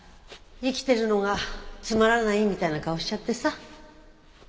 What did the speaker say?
生きてるのがつまらないみたいな顔しちゃってさ。